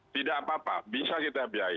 tidak apa apa bisa kita biayai